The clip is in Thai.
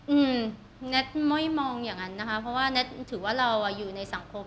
อืมแน็ตไม่มองอย่างนั้นนะคะเพราะว่าแท็กถือว่าเราอ่ะอยู่ในสังคม